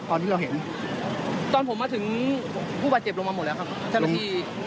ตอนที่เราเห็นตอนผมมาถึงผู้บาดเจ็บลงมาหมดแล้วครับ